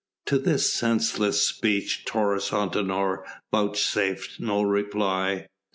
To this senseless speech Taurus Antinor vouchsafed no reply.